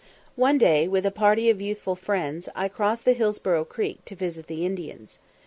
One day, with a party of youthful friends, I crossed the Hillsboro' Creek, to visit the Indians.